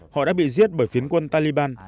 họ đã bị giết bởi phiến quân taliban